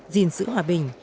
gìn sử hòa bình